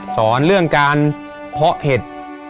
สอนเรื่องการเพาะเห็ด